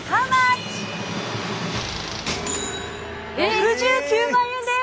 ６９万円です！